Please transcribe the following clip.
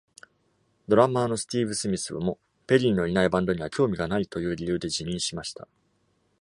ドラマーのスティーブ・スミス （Steve Smith） もペリーのいないバンドには興味がないという理由で辞任しました。